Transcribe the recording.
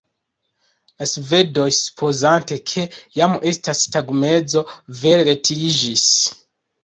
La svedoj, supozante ke jam estas tagmezo, vere retiriĝis.